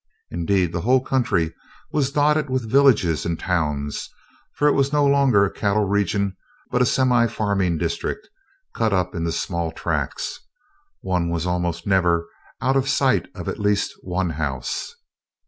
Indeed, the whole country was dotted with villages and towns, for it was no longer a cattle region, but a semifarming district cut up into small tracts. One was almost never out of sight of at least one house.